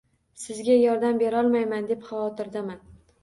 Sizga yordam berolmayman, deb xavotirdaman.